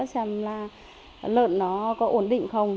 để xem là lợn nó có ổn định không